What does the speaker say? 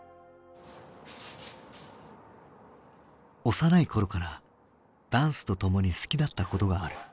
幼い頃からダンスとともに好きだったことがある。